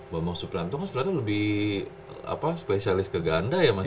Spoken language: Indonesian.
bambang suprianto kan sebenarnya lebih spesialis ke ganda ya mas